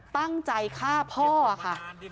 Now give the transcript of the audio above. ตั้งใจฆ่าพ่อค่ะ